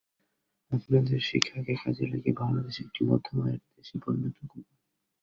আপনাদের শিক্ষাকে কাজে লাগিয়ে বাংলাদেশকে একটি মধ্যম আয়ের দেশে পরিণত করুন।